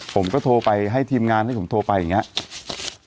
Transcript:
ผมก็โทรไปให้ทีมงานให้ผมโทรไปอย่างนี้